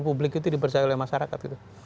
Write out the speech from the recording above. publik itu dipercaya oleh masyarakat gitu